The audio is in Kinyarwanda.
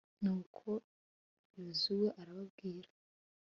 nuko yozuwe arababwira